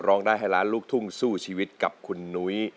ร้องได้ให้ล้านลูกทุ่งสู้ชีวิตกับคุณนุ้ย